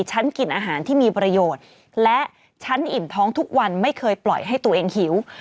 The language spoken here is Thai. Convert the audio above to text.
ฉันกินอาหารที่มีประโยชน์และฉันอิ่มท้องทุกวันไม่เคยปล่อยให้ตัวเองหิว